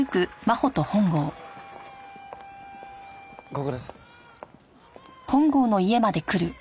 ここです。